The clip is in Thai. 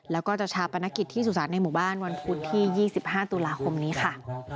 แล้วก็จะชาปนกิจที่สุสานในหมู่บ้านวันพุธที่๒๕ตุลาคมนี้ค่ะ